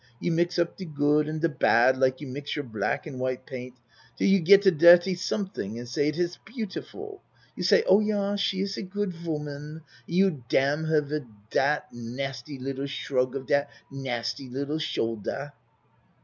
You mix up de good and de bad like you mix your black and white paint till you get a dirty something and say it iss beautiful. You say "Oh, yah, she iss a good woman," and you damn her wid dat nasty liddle shrug of dat nasty liddle shoulder.